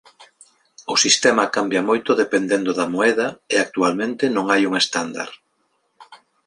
O sistema cambia moito dependendo da moeda e actualmente non hai un estándar.